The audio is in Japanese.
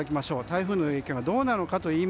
台風の影響がどうなるのか。